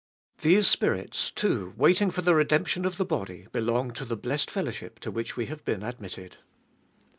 These spirits, too, waiting for the redemption of the body, belong to the blessed fellowship to which we have been admitted.